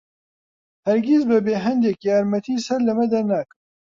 هەرگیز بەبێ هەندێک یارمەتی سەر لەمە دەرناکەم.